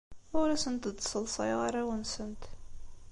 Ur asent-d-sseḍsayeɣ arraw-nsent.